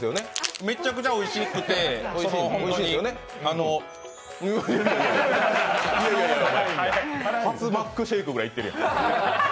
めちゃくちゃおいしくてあの初マックシェイクぐらいいってるやん。